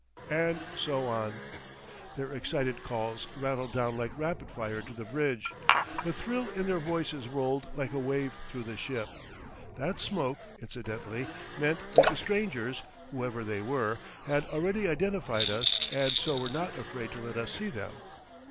and so on. Their excited calls rattled down like rapid fire to the bridge; the thrill in their voices rolled like a wave through the ship. That smoke, incidentally, meant that the strangers, whoever they were, had already identified us and so were not afraid to let us see them.